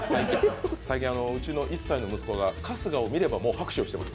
最近、１歳の息子が春日を見れば拍手してます。